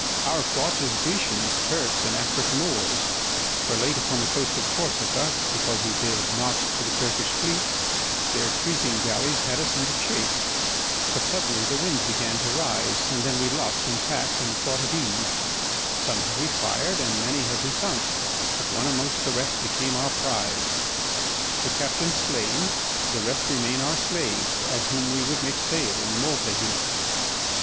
Our fraught is Grecians, Turks, and Afric Moors; For late upon the coast of Corsica, Because we vail'd not to the Turkish fleet, Their creeping galleys had us in the chase: But suddenly the wind began to rise, And then we luff'd and tack'd, and fought at ease: Some have we fir'd, and many have we sunk; But one amongst the rest became our prize: The captain's slain; the rest remain our slaves, Of whom we would make sale in Malta here. FERNEZE.